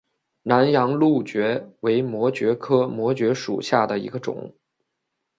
南洋蕗蕨为膜蕨科膜蕨属下的一个种。